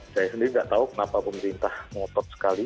saya sendiri nggak tahu kenapa pemerintah mengotot sekali